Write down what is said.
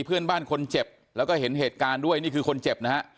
เพื่อนบ้านคนเจ็บแล้วก็เห็นเหตุการณ์ด้วยนี่คือคนเจ็บนะฮะ